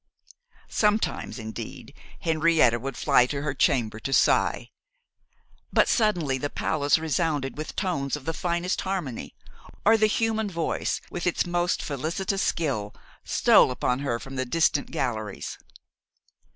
Sometimes, indeed, Henrietta would fly to her chamber to sigh, but suddenly the palace resounded with tones of the finest harmony, or the human voice, with its most felicitous skill, stole upon her from the distant galleries.